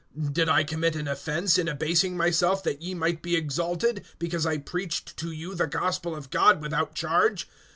(7)Did I commit an offense in abasing myself that ye might be exalted, because I preached to you the gospel of God without charge.